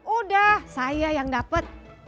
udah saya yang dapet